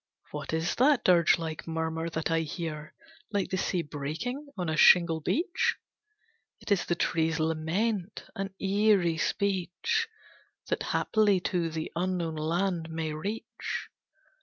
What is that dirge like murmur that I hear Like the sea breaking on a shingle beach? It is the tree's lament, an eerie speech, That haply to the unknown land may reach.